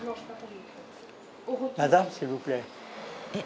えっ？